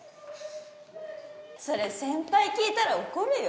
それ先輩聞いたら怒るよ。